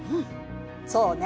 そうね。